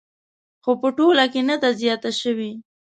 خو په ټوله کې نه ده زیاته شوې